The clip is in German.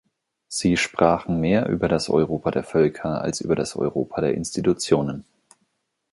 Sie sprachen mehr über das Europa der Völker als über das Europa der Institutionen.